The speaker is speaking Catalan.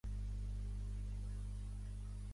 T'equivoques, Jeeves.